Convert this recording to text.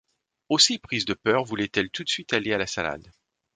Aussi, prise de peur, voulait-elle tout de suite aller à la salade.